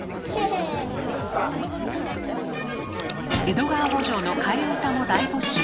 「江戸川慕情」の替え歌も大募集。